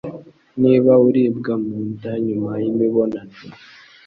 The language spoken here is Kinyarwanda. Niba uribwa mu nda nyuma y'imibonano